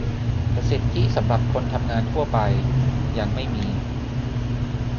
แต่สิทธิสำหรับคนทำงานทั่วไป ยังไม่มี